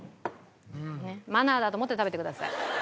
マナーだと思って食べてください。